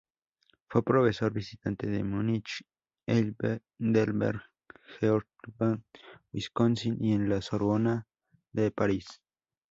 Fue profesor visitante en Múnich, Heidelberg, Georgetown, Wisconsin y en la Sorbona de París.